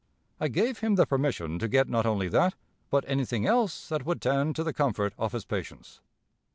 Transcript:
I gave him the permission to get not only that, but anything else that would tend to the comfort of his patients.